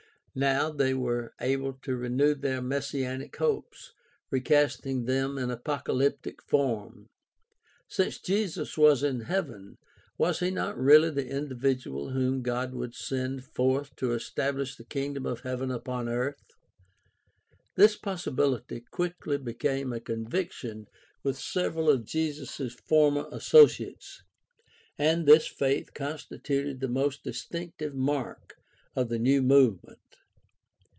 Now they were able to renew their messianic hopes, recasting them in apocalyptic form. Since Jesus was in heaven was he not really the individual whom God would send forth to estabhsh the Kingdom of Heaven upon earth ? This possibility quickly became a conviction with several of Jesus' former associates, and this faith consti tuted the most distinctive mark of the new movement.